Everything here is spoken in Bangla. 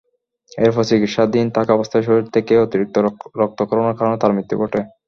এরপর চিকিৎসাধীন থাকা অবস্থায় শরীর থেকে অতিরিক্ত রক্তক্ষরণের কারণে তাঁর মৃত্যু ঘটে।